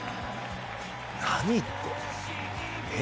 何？って、え？